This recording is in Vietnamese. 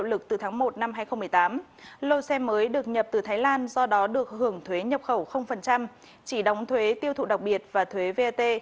lô xe mới được nhập từ thái lan do đó được hưởng thuế nhập khẩu chỉ đóng thuế tiêu thụ đặc biệt và thuế vat